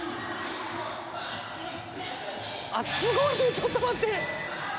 ちょっと待って。